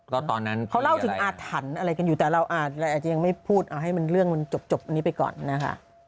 ก็ตอนนั้นเขาเล่าถึงอาถรรพ์อะไรกันอยู่แต่เราอาจจะยังไม่พูดเอาให้มันเรื่องมันจบนี้ไปก่อนนะคะ